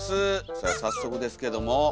では早速ですけども。